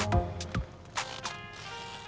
terima kasih mas